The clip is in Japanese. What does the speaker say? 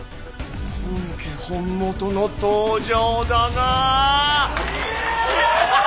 本家本元の登場だなぁ！